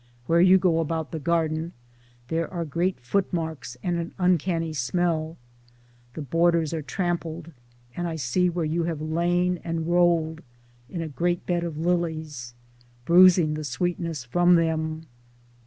Where you go about the garden there are great foot marks and an uncanny smell ; the borders are trampled and I see where you have lain and rolled in a great bed of lilies, bruising the sweetness from them.